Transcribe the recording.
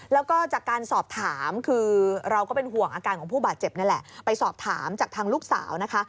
แล้วก็จากการสอบถามคือเราก็เป็นห่วงอาการของผู้บาดเจ็บนั่นแหละไปสอบถามจากทางลูกสาวนะคะ